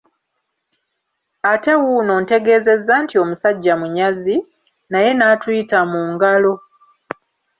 Ate wuuno ontegeezezza nti omusajja munyazi, naye n'atuyita mu ngalo!